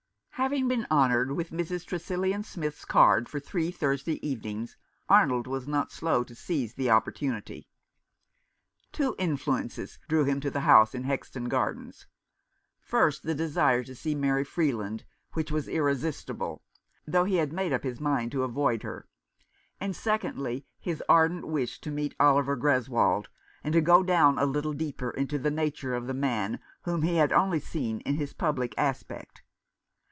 Having been honoured with Mrs. Tresillian Smith's card for three Thursday evenings, Arnold was not slow to seize the opportunity. Two influences drew him to the house in Hexton Gardens. First, the desire to see Mary Freeland, which was irresistible, though he had made up his mind to avoid her ; and, secondly, his ardent wish to meet Oliver Greswold, and to go down a little deeper into the nature of the man whom he had only seen in his public aspect.